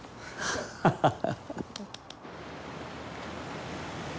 ハハハハ。